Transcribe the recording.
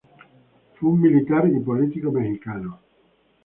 Fue un militar y político mexicano.